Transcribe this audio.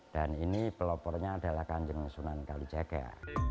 dan ini pelopornya adalah kandungan sunan kalijaga